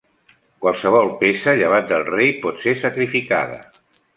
Qualsevol peça llevat del rei pot ser sacrificada.